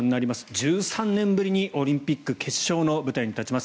１３年ぶりにオリンピック決勝の舞台に立ちます。